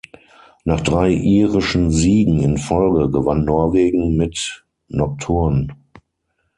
Nach drei irischen Siegen in Folge gewann Norwegen mit "Nocturne.